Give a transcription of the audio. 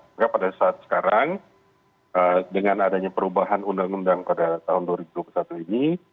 maka pada saat sekarang dengan adanya perubahan undang undang pada tahun dua ribu dua puluh satu ini